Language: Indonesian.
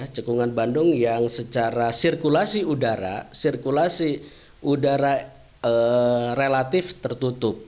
cekungan bandung yang secara sirkulasi udara sirkulasi udara relatif tertutup